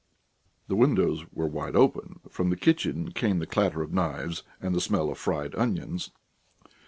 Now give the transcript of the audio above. The windows were wide open; from the kitchen came the clatter of knives and the smell of fried onions....